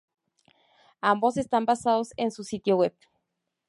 Ambos están basados en su sitio web.